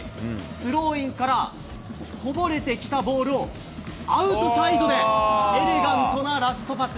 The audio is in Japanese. スローインからこぼれてきたボールを、アウトサイドでエレガントなラストパス。